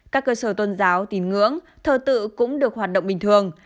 các cơ sở tôn giáo tín ngưỡng thờ tự cũng được hoạt động bình thường